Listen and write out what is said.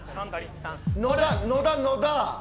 野田、野田。